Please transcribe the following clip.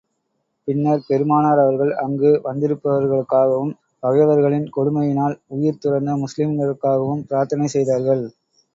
பின்னர், பெருமானார் அவர்கள், அங்கு வந்திருப்பவர்களுக்காகவும், பகைவர்களின் கொடுமையினால், உயிர் துறந்த முஸ்லிம்களுக்காகவும் பிரார்த்தனை செய்தார்கள்.